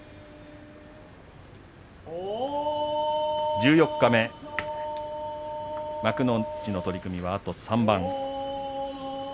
十四日目、幕内の取組はあと３番。